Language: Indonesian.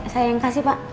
saya yang kasih pak